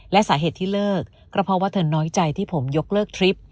และสาเหตุที่เลิกก็เพราะว่าเธอน้อยใจที่ผมยกเลิกทริป